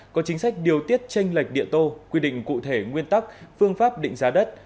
có chính sách điều tiết tranh lệch địa tô quy định cụ thể nguyên tắc phương pháp định giá đất